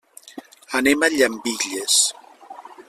Anem a Llambilles.